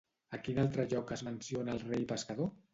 A quin altre lloc es menciona el rei pescador?